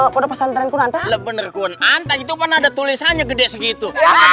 bener bener itu ada tulisannya gede segitu